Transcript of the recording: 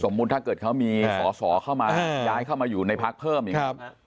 ถ้าเกิดเขามีสอสอเข้ามาย้ายเข้ามาอยู่ในพักเพิ่มอย่างนี้